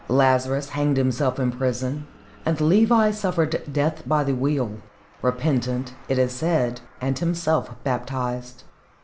Lazarus hanged himself in prison, and Levi suffered death by the wheel repentant, it is said, and himself baptized.